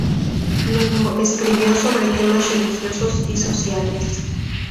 Luego, escribió sobre temas religiosos y sociales.